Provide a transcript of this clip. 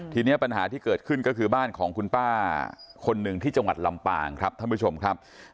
ทีนี้ปัญหาที่เกิดขึ้นก็คือบ้านของคุณป้าคนหนึ่งที่จังหวัดลำปางครับท่านผู้ชมครับ